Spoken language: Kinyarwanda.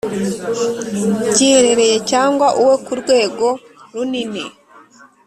giherereye cyangwa uwo ku rwego runini